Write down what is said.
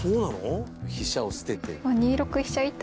高橋：飛車を捨てて。